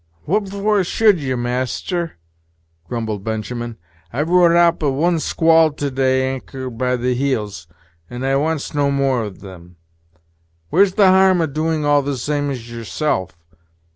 "What for should ye, master?" grumbled Benjamin; "I've rode out one squall to day anchored by the heels, and I wants no more of them. Where's the harm o' doing all the same as yourself?